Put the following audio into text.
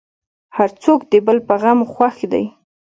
هر څوک د بل په غم خوښ دی.